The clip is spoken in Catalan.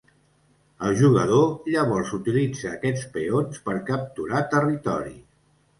El jugador llavors utilitza aquests peons per capturar territori.